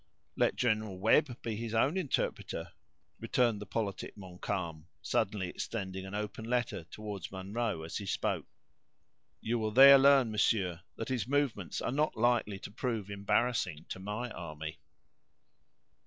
"Let General Webb be his own interpreter," returned the politic Montcalm, suddenly extending an open letter toward Munro as he spoke; "you will there learn, monsieur, that his movements are not likely to prove embarrassing to my army."